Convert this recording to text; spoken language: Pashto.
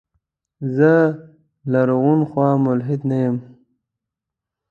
زه لرغون خو ملحد نه يم.